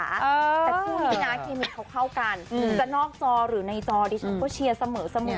แต่คู่นี้นะเคมีเขาเข้ากันจะนอกจอหรือในจอดิฉันก็เชียร์เสมอ